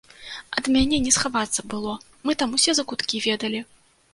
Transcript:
Ад мяне не схавацца было, мы там усе закуткі ведалі.